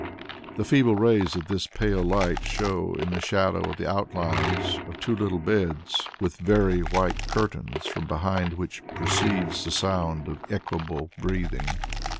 The feeble rays of this pale light show in the shadow the outlines of two little beds with very white curtains from behind which proceeds the sound of equable breathing.